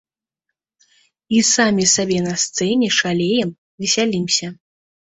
І самі сабе на сцэне шалеем, весялімся.